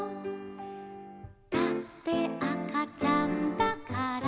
「だってあかちゃんだから」